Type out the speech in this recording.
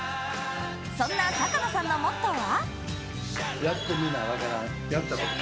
そんな坂野さんのモットーは？